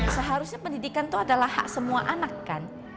seharusnya pendidikan itu adalah hak semua anak kan